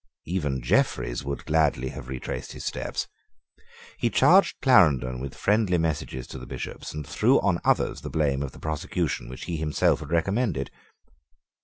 Even Jeffreys would gladly have retraced his steps. He charged Clarendon with friendly messages to the Bishops, and threw on others the blame of the prosecution which he had himself recommended.